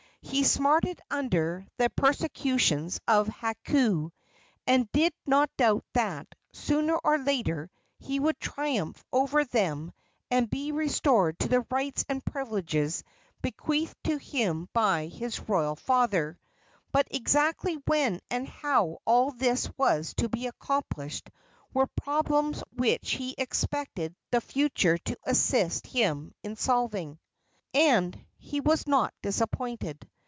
He smarted under the persecutions of Hakau, and did not doubt that, sooner or later, he would triumph over them and be restored to the rights and privileges bequeathed to him by his royal father; but exactly when and how all this was to be accomplished were problems which he expected the future to assist him in solving. And he was not disappointed.